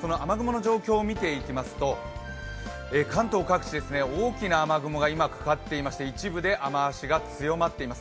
その雨雲の状況を見ていきますと関東各地、大きな雨雲が今かかっていまして、一部で雨足が強まっています。